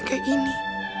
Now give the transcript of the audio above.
jangan kek ini